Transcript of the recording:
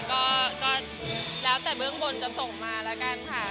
ก็แล้วแต่เบื้องบนจะส่งมาแล้วกันค่ะ